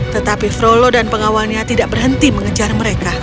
tetapi frolo dan pengawalnya tidak berhenti mengejar mereka